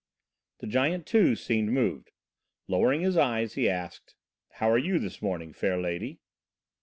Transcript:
The giant, too, seemed moved. Lowering his eyes he asked: "How are you this morning, fair lady?"